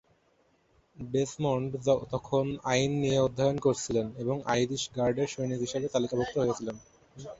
Desmond তখন আইন নিয়ে অধ্যয়ন করছিলেন এবং আইরিশ গার্ডের সৈনিক হিসেবে তালিকাভুক্ত হয়েছিলেন।